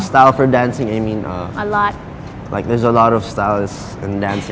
แต่ชั้นยังเป็นกระดับที่ดี